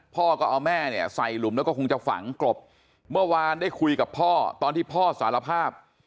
พ่อก็เอาแม่เนี่ยใส่หลุมแล้วก็คงจะฝังกลบเมื่อวานได้คุยกับพ่อตอนที่พ่อสารภาพ